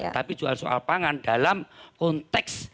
tapi juga soal pangan dalam konteks